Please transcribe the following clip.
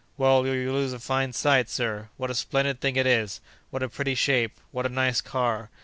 "Well, you'll lose a fine sight, sir. What a splendid thing it is! What a pretty shape! What a nice car!